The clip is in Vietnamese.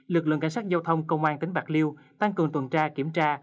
lực lượng cảnh sát giao thông công an tỉnh bạc liêu tăng cường tuần tra kiểm tra